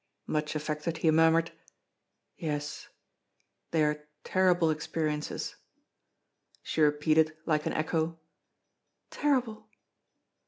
Much affected, he murmured: "Yes; they are terrible experiences!" She repeated, like an echo: "Terrible."